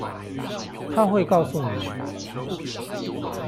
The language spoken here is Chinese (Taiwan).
她會告訴你